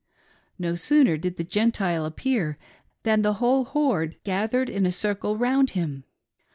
No sooner did the Gentile appear than the whole horde gathered in a circle round him.